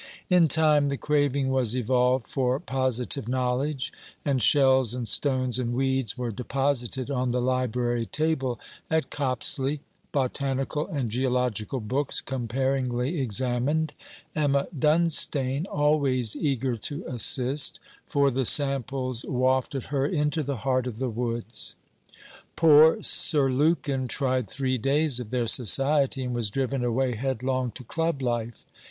In time the craving was evolved for positive knowledge, and shells and stones and weeds were deposited on the library table at Copsley, botanical and geological books comparingly examined, Emma Dunstane always eager to assist; for the samples wafted her into the heart of the woods. Poor Sir Lukin tried three days of their society, and was driven away headlong to Club life.